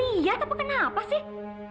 iya tapi kenapa sih